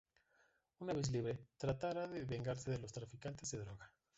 Una vez libre, tratará de vengarse de los traficantes de droga.